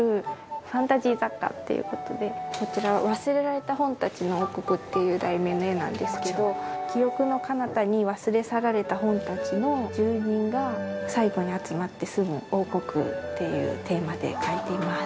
こちら『忘れられた本たちの王国』という題名の絵なんですけど記憶のかなたに忘れ去られた本たちの住人が最後に集まって住む王国っていうテーマで描いています。